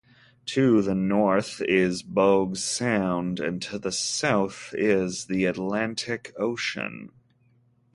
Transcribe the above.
To the north is Bogue Sound, and to the south is the Atlantic Ocean.